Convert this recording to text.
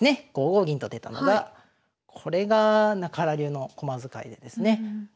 ５五銀と出たのがこれが中原流の駒使いでですね。